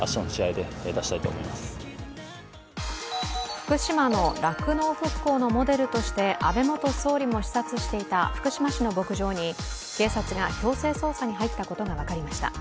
福島の酪農復興のモデルとして安倍元総理も視察していた福島市の牧場に警察が強制捜査に入ったことが分かりました。